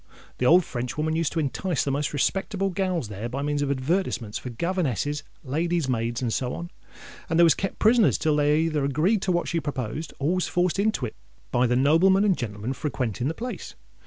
The old Frenchwoman used to entice the most respectable gals there by means of advertisements for governesses, ladies maids, and so on; and they was kept prisoners till they either agreed to what she proposed, or was forced into it by the noblemen and gentlemen frequenting the place.